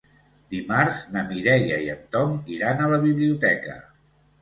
Dimarts na Mireia i en Tom iran a la biblioteca.